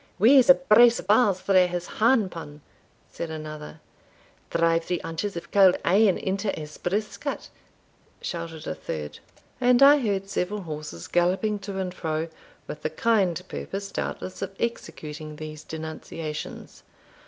"Weize a brace of balls through his harn pan!" said a second. "Drive three inches of cauld airn into his brisket!" shouted a third. And I heard several horses galloping to and fro, with the kind purpose, doubtless, of executing these denunciations.